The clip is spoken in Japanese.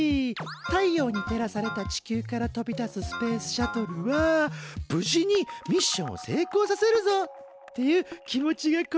太陽に照らされた地球から飛び出すスペースシャトルは無事にミッションを成功させるぞっていう気持ちがこめられているんだ。